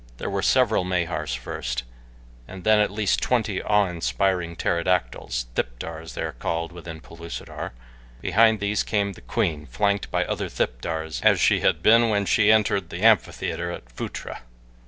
There were several Mahars first, and then at least twenty awe inspiring pterodactyls thipdars, they are called within Pellucidar. Behind these came the queen, flanked by other thipdars as she had been when she entered the amphitheater at Phutra.